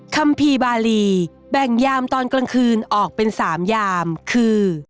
ัมภีร์บาลีแบ่งยามตอนกลางคืนออกเป็น๓ยามคือ